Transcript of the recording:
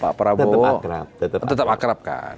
pak prabowo tetap akrab kan